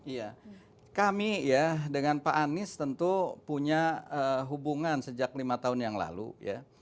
iya kami ya dengan pak anies tentu punya hubungan sejak lima tahun yang lalu ya